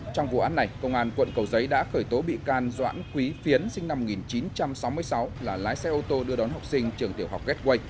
trong vụ án này công an quận cầu giấy đã khởi tố bị can doãn quý phiến sinh năm một nghìn chín trăm sáu mươi sáu là lái xe ô tô đưa đón học sinh trường tiểu học gateway